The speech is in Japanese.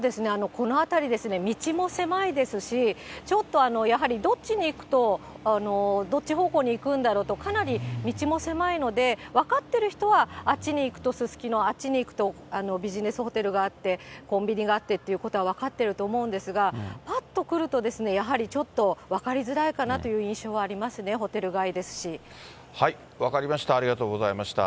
この辺りですね、道も狭いですし、ちょっとやはりどっちに行くと、どっち方向に行くんだろうと、かなり道も狭いので、分かってる人はあっちに行くとすすきの、あっちに行くと、ビジネスホテルがあって、コンビニがあってということは分かってると思うんですが、ぱっと来ると、やはりちょっと分かりづらいかなという印象はありますね、分かりました、ありがとうございました。